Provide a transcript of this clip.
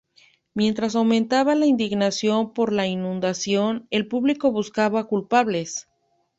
Mientras aumentaba la indignación por la inundación, el público buscaba culpables.